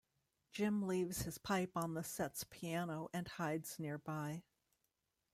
Jim leaves his pipe on the set's piano and hides nearby.